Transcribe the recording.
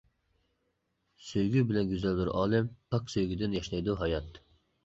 سۆيگۈ بىلەن گۈزەلدۇر ئالەم، پاك سۆيگۈدىن ياشنايدۇ ھايات.